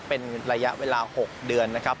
เป็นระยะเวลา๖เดือนนะครับ